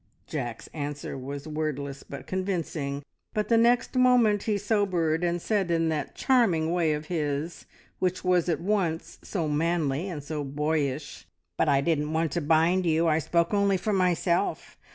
Jack's answer was wordless but convincing, but the next moment he sobered, and said in that charming way of his, which was at once so manly and so boyish, "But I didn't want to bind you, I spoke only for myself.